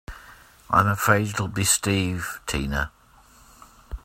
I'm afraid it'll be Steve Tina.